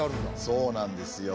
そうなんですよ。